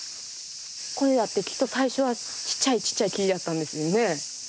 これだってきっと最初はちっちゃいちっちゃい木やったんですよね。